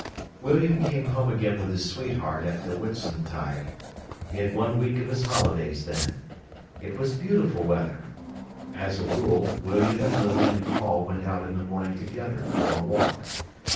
William came home again with his sweetheart at the Whitsuntide. He had one week of his holidays then. It was beautiful weather. As a rule, William and Lily and Paul went out in the morning together for a walk.